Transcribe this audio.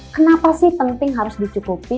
kenapa sih penting harus dicukupi